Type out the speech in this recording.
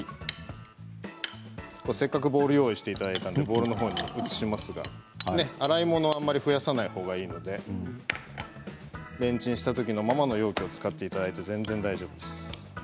せっかくボウルを用意していただいたのでボウルに移しますが洗い物をあまり増やさない方がいいのでレンチンした時のままの容器を使っていただいて全然大丈夫です。